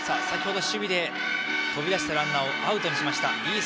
先程、守備で飛び出してランナーをアウトにしました。